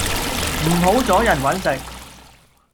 唔好阻人搵食